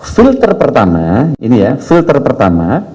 filter pertama ini ya filter pertama